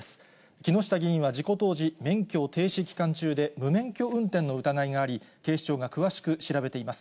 木下議員は事故当時、免許停止期間中で、無免許運転の疑いがあり、警視庁が詳しく調べています。